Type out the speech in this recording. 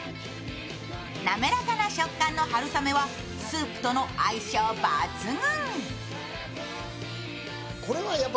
なめらかな食感のはるさめはスープとの相性抜群。